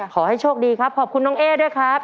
ขอให้โชคดีครับขอบคุณน้องเอ๊ด้วยครับ